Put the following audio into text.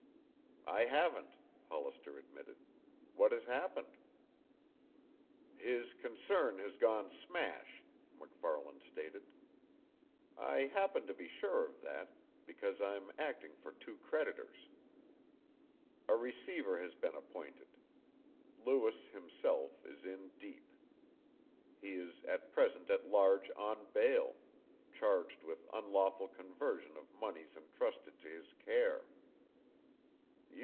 "I haven't," Hollister admitted. "What has happened?" "His concern has gone smash," MacFarlan stated. "I happen to be sure of that, because I'm acting for two creditors. A receiver has been appointed. Lewis himself is in deep. He is at present at large on bail, charged with unlawful conversion of moneys entrusted to his care.